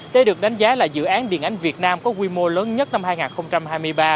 đây được đánh giá là dự án điện ảnh việt nam có quy mô lớn nhất năm hai nghìn hai mươi ba